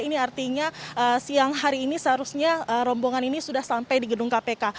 ini artinya siang hari ini seharusnya rombongan ini sudah sampai di gedung kpk